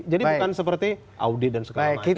jadi bukan seperti audit dan sekelanjutan